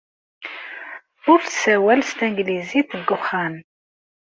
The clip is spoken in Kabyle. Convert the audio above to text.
Ur tessawal s tanglizit deg wexxam.